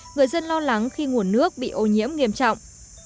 người dân lo lắng khi nguồn nước bị ô nhiễm nghiêm trọng